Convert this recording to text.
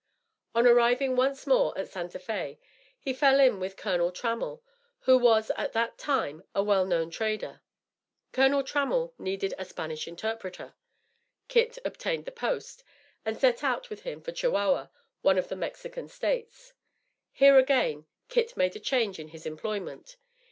On arriving once more at Santa Fé, he fell in with Col. Tramell, who was at that time a well known trader. Col Tramell needed a Spanish interpreter. Kit obtained the post, and set out with him for Chihuahua, one of the Mexican States. Here again Kit made a change in his employment.